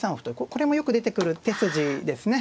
これもよく出てくる手筋ですね。